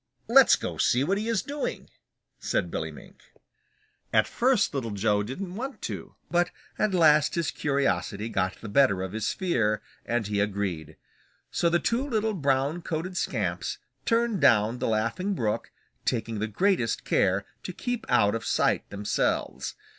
"Let's go see what he is doing," said Billy Mink. At first Little Joe didn't want to, but at last his curiosity got the better of his fear, and he agreed. So the two little brown coated scamps turned down the Laughing Brook, taking the greatest care to keep out of sight themselves.